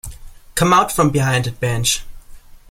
Come out from behind that bench.